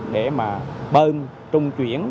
để mà bơn trung chuyển